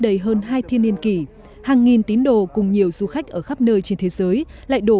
đầy hơn hai thiên niên kỷ hàng nghìn tín đồ cùng nhiều du khách ở khắp nơi trên thế giới lại đổ